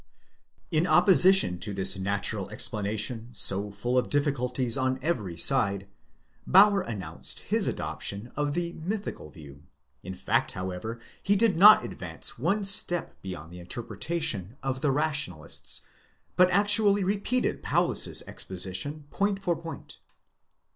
In opposition to this natural explanation, so full of difficulties on every side, Bauer announced his adoption of the mythical view #; in fact, however, he did not advance one step beyond the interpretation of the Rationalists, but actually repeated Paulus's exposition point for point.